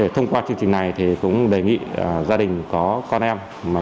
thông qua chương trình này thì cũng đề nghị gia đình có con em